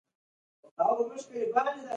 د پزي پرېولل په غسل کي فرض دي.